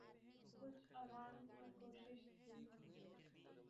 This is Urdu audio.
کچھ عوام کی کوشش تھی۔